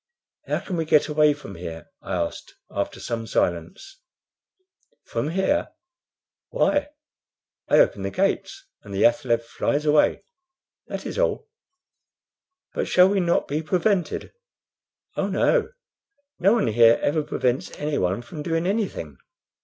"How can we get away from here?" I asked, after some silence. "From here? why, I open the gates, and the athaleb flies away; that is all." "But shall we not be prevented?" "Oh no. No one here ever prevents anyone from doing anything.